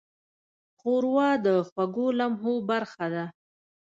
ښوروا د خوږو لمحو برخه ده.